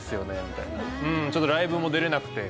みたいな「ちょっとライブも出れなくて」